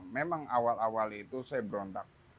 memang awal awal itu saya berontak